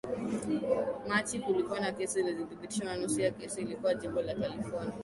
Machi kulikuwa na kesi zilithibitishwa na nusu ya kesi ilikuwepo jimbo la California